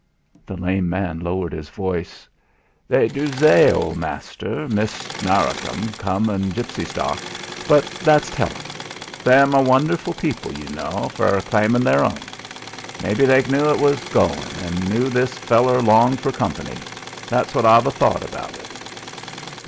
The lame man lowered his voice. "They du zay old master, Mist' Narracombe come o' gipsy stock. But that's tellin'. They'm a wonderful people, yu know, for claimin' their own. Maybe they knu 'e was goin', and sent this feller along for company. That's what I've a thought about it."